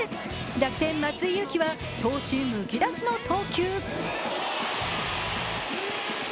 楽天・松井裕樹は闘志むき出しの投球。